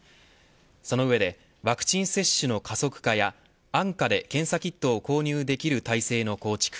その上でワクチン接種の加速化や安価で検査キットを購入できる体制の構築